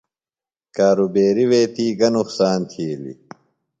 کارُوبیریۡ وے تی گہ نُقصان تِھیلیۡ؟